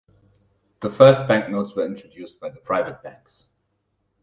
The first banknotes were introduced by the private banks.